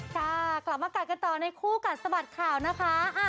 ค่ะกลับมากัดกันต่อในคู่กัดสะบัดข่าวนะคะ